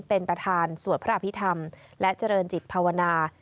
เป็นประธานสวดพระอภิษฐรรมและเจริญจิตภาวนา